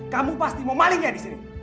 kamu pasti mau maling ya di sini